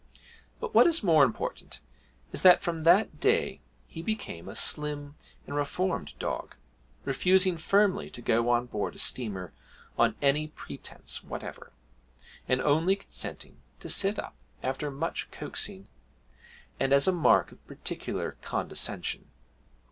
But what is more important is that from that day he became a slim and reformed dog, refusing firmly to go on board a steamer on any pretence whatever, and only consenting to sit up after much coaxing, and as a mark of particular condescension.